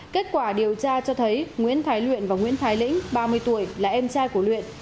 kết quả điều tra cho thấy nguyễn thái luyện và nguyễn thái lĩnh ba mươi tuổi là em trai của luyện